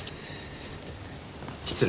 失礼。